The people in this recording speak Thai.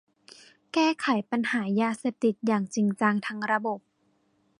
แก้ไขปัญหายาเสพติดอย่างจริงจังทั้งระบบ